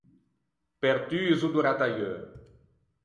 Pertuso do rattaieu.